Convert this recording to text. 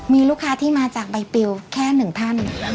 มีลูกค้าที่มาจากใบปิวแค่๑ท่าน